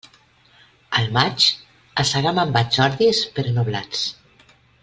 Al maig, a segar me'n vaig ordis però no blats.